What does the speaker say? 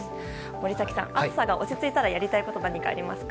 森崎さん、暑さが落ち着いたらやりたいこと何かありますか？